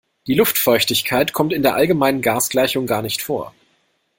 Die Luftfeuchtigkeit kommt in der allgemeinen Gasgleichung gar nicht vor.